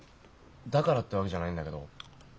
だからってわけじゃないんだけど。